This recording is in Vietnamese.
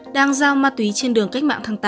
đang giao ma túy trên đường cách mạng tháng tám